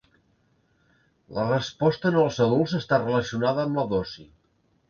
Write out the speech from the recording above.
La resposta en els adults està relacionada amb la dosi.